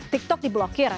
tiktok di blokir